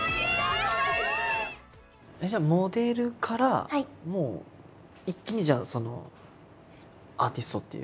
じゃあモデルからもう一気にアーティストっていう。